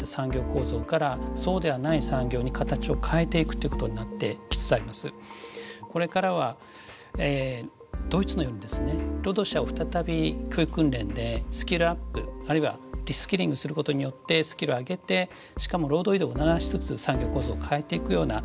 あのドイツの場合にはもうメルケル首相が出てきてましたけどもこれからはドイツのようにですね労働者を再び教育訓練でスキルアップあるいはリスキリングすることによってスキルを上げてしかも労働移動を促しつつ産業構造を変えていくような